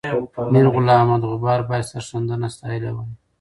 میرغلام محمد غبار باید سرښندنه ستایلې وای.